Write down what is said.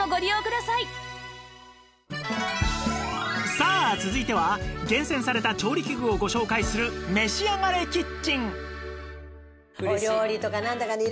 さあ続いては厳選された調理器具をご紹介する「めしあがれキッチン」！